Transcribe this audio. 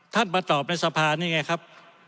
ท่านมาตอบในสะพานนี่ไงครับ